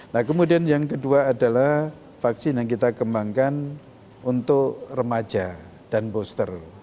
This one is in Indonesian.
nah kemudian yang kedua adalah vaksin yang kita kembangkan untuk remaja dan booster